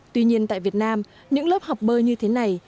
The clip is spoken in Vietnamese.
tuy nhiên tại việt nam những lớp học bơi như thế này